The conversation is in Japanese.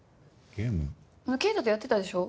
圭太とやってたでしょ？